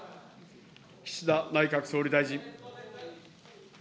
岸田内閣総理大臣。